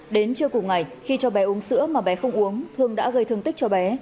đến trưa cùng ngày khi cho bé uống sữa mà bé không uống thương đã gây thương tích cho bé